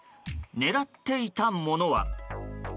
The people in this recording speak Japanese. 狙っていたものは。